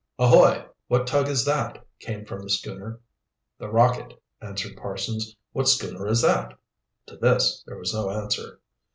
"Ahoy, what tug is that?" came from the schooner. "The Rocket" answered Parsons. "What schooner is that?" To this there was no answer.